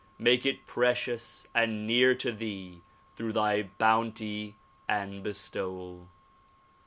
Make it precious and near to thee through thy bounty and bestowal.